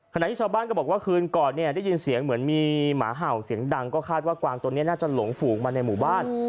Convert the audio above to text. ขณะที่ชาวบ้านก็บอกว่าคืนก่อนเนี่ยได้ยินเสียงเหมือนมีหมาเห่าเสียงดังก็คาดว่ากวางตัวนี้น่าจะหลงฝูงมาในหมู่บ้าน